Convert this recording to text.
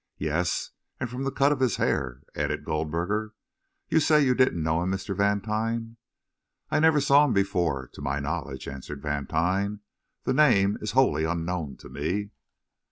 "Yes, and from the cut of his hair," added Goldberger. "You say you didn't know him, Mr. Vantine?" "I never before saw him, to my knowledge," answered Vantine. "The name is wholly unknown to me."